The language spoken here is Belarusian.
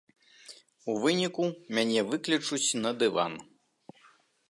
У выніку мяне выклічуць на дыван.